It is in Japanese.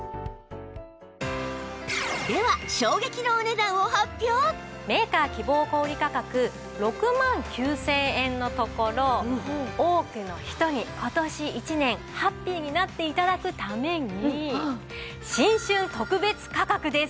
ではメーカー希望小売価格６万９０００円のところ多くの人に今年一年ハッピーになって頂くために新春特別価格です。